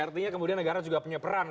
artinya kemudian negara juga punya peran